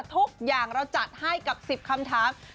ทุกอย่างเราจัดให้กับ๑๐คำถาม